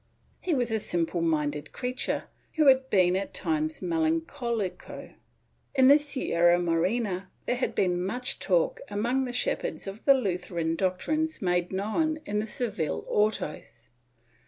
He was a simple minded creature, who had been at times melancoUco. In the Sierra Morena there had been much talk among the shepherds of the Lutheran doctrines made known in the Seville autos.